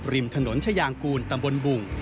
ริมถนนชายางกูลตำบลบุ่ง